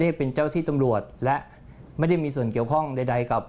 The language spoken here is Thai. นี่เป็นเจ้าที่ตำรวจและไม่ได้มีส่วนเกี่ยวข้องใดกับ